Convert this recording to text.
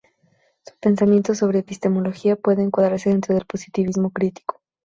Su pensamiento sobre epistemología puede encuadrarse dentro del positivismo crítico.